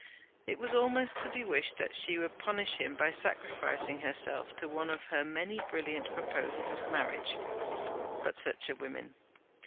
It was almost to be wished that she would punish him by sacrificing herself to one of her many brilliant proposals of marriage. But such are women!